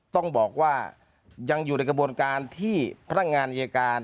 ต้องบอกว่ายังอยู่ในกระบวนการที่พนักงานอายการ